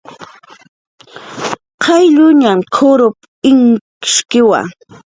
"Qaylluñan kururp"" inkishkiwa"